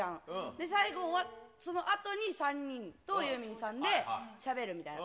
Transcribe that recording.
で、最後、そのあとに３人とユーミンさんでしゃべるみたいな。